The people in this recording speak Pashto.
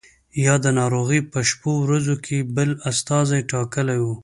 یا د ناروغۍ په شپو ورځو کې بل استازی ټاکلی وو.